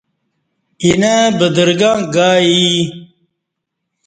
اینہ بدرگں گائی ایی